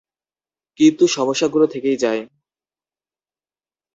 কিন্তু, সমস্যাগুলো থেকেই যায়।